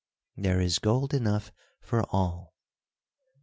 "There is gold enough for all."